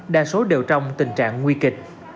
đa số đều trong tình trạng nguy kịch